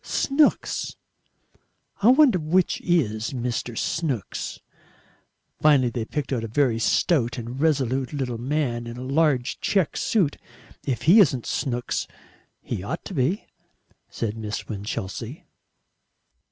Snooks. I wonder which IS Mr. Snooks." Finally they picked out a very stout and resolute little man in a large check suit. "If he isn't Snooks, he ought to be," said Miss Winchelsea.